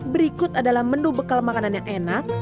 berikut adalah menu bekal makanan yang enak